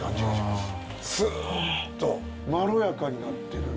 スッとまろやかになってる。